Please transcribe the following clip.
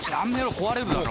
壊れるだろ。